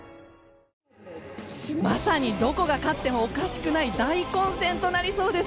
まさにどこが勝ってもおかしくない大混戦となりそうです。